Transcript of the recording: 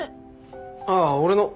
あっ俺の。